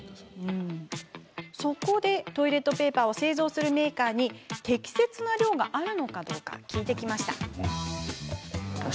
そこでトイレットペーパーを製造するメーカーに適切な量があるのか聞いてみました。